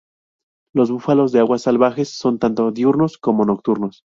Los búfalos de agua salvajes son tanto diurnos como nocturnos.